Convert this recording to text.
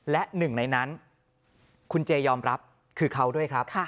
และหนึ่งในนั้นคุณเจยอมรับคือเขาด้วยครับ